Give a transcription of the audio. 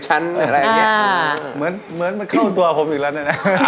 เหมือนเข้าตัวผมอีกแล้วนะ